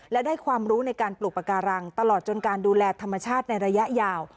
และได้ความรู้ในการปลูกปากการังตลอดจนการดูแลธรรมชาติในระยะยาว